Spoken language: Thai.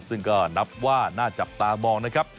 ซึ่งก็นับว่าน่าจับตามองนะครับ